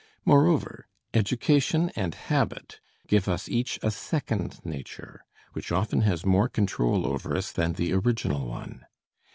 Moreover, education and habit give us each a second nature which often has more control over us than the original one.